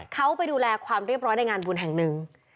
เขาไปดูแลความเรียบร้อยในงานบุญแห่งหนึ่ง